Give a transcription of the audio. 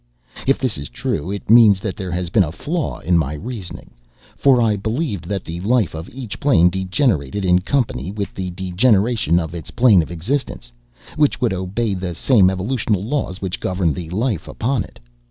If this is true it means that there has been a flaw in my reasoning, for I believed that the life of each plane degenerated in company with the degeneration of its plane of existence, which would obey the same evolutional laws which govern the life upon it.